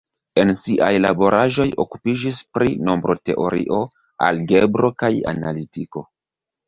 En siaj laboraĵoj okupiĝis pri nombroteorio, algebro kaj analitiko.